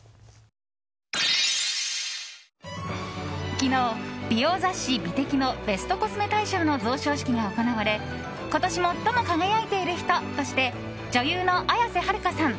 昨日、美容雑誌「美的」のベストコスメ大賞の贈賞式が行われ今年、最も輝いている人として女優の綾瀬はるかさん